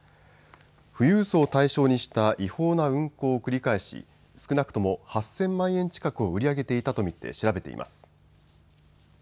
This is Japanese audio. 富裕層を対象にした違法な運航を繰り返し少なくとも８０００万円近くを売り上げていたと見て調べています。